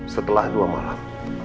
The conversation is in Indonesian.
setelah dua malam